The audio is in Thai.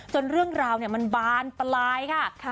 เรื่องราวมันบานปลายค่ะ